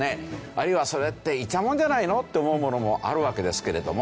あるいは「それってイチャモンじゃないの？」って思うものもあるわけですけれども。